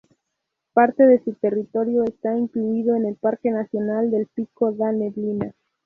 Parte de su territorio está incluido en el Parque Nacional del Pico da Neblina.